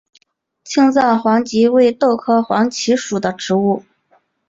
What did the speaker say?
青藏黄耆为豆科黄芪属的植物。